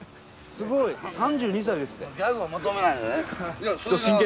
すごい３２歳ですって。